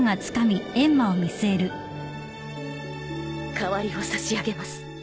代わりを差し上げます